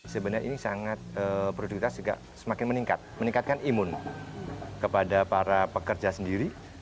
sebenarnya ini sangat produktivitas juga semakin meningkat meningkatkan imun kepada para pekerja sendiri